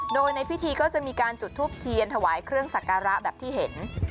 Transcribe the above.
โดยในพิธีก็จะมีการจุดทูปเทียนถวายเครื่องสักการะแบบที่เห็น